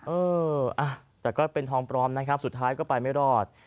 เออแต่ก็เป็นทองปลอมนะครับสุดท้ายก็ไปไม่รอด